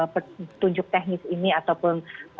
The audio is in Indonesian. petunjuk teknis ini ataupun